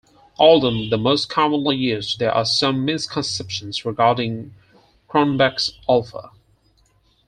Although the most commonly used, there are some misconceptions regarding Cronbach's alpha.